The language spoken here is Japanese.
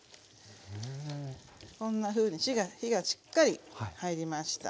こんなふうに火がしっかり入りました。